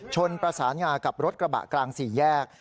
ชนประสานงากับรถกระบะกลางสี่แยก